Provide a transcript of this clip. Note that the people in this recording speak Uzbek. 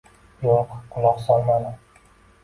Yo‘q, quloq solmadi.